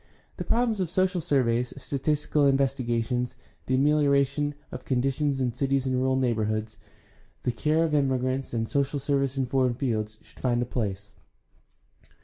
The problems of social surveys, statistical investigations, the amelioration of conditions in cities and rural neighborhoods, the care of immigrants, and social service in foreign fields should find a place.